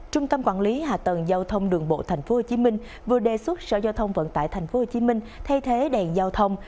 trung tâm quản lý hạ tầng giao thông đường bộ tp hcm vừa đề xuất sở giao thông vận tải tp hcm thay thế đèn giao thông